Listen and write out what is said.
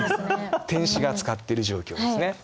天使が使ってる状況ですね。